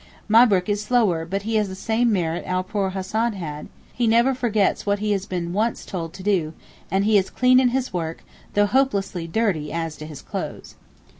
Mabrook is slower, but he has the same merit our poor Hassan had, he never forgets what he has been once told to do, and he is clean in his work, though hopelessly dirty as to his clothes.